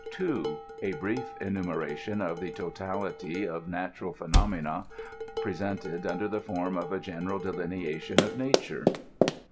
2. A brief enumeration of the totality of natural phenomena, presented under the form of a general delineation of nature.